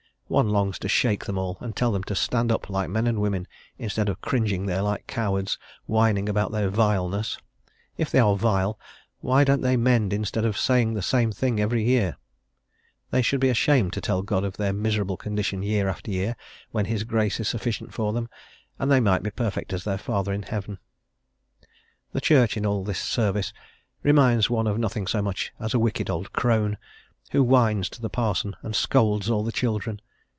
One longs to shake them all, and tell them to stand up like men and women, instead of cringing there like cowards, whining about their vileness. If they are vile, why don't they mend, instead of saying the same thing every year? They should be ashamed to tell God of their miserable condition year after year, when his grace is sufficient for them, and they might be perfect as their Father in heaven. The Church in all this service reminds one of nothing so much as a wicked old crone, who whines to the parson and scolds all the children.